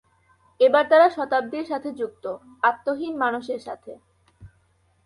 এবার তারা শতাব্দির সাথে যুক্ত, আত্মাহীন মানুষের সাথে।